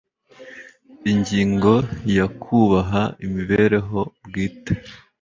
Ingingo ya Kubaha imibereho bwite